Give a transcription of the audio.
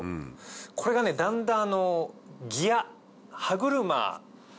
これがだんだん。